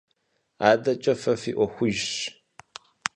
АдэкӀэ фэ фи Ӏуэхужщ.